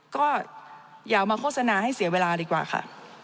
ก็อย่ามาโฆษณาให้เสียเวลาดีกว่าค่ะ